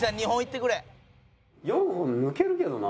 ４本抜けるけどな。